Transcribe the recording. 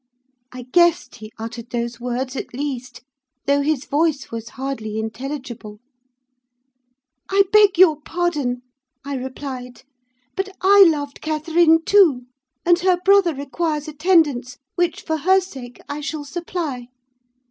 "I guessed he uttered those words, at least, though his voice was hardly intelligible. "'I beg your pardon,' I replied. 'But I loved Catherine too; and her brother requires attendance, which, for her sake, I shall supply.